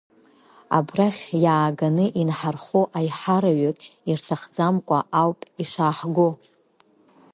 Абрахь, иааганы инҳархо, аиҳараҩык, ирҭахӡамкәа ауп ишааҳго.